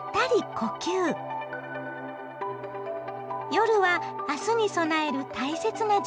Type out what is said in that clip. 夜は明日に備える大切な時間。